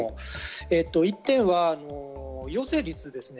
１点は陽性率ですね。